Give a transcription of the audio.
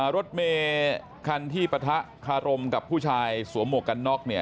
รถเมฆัณฑ์ที่ประทะคารมกับผู้ชายสวมโหกันนอก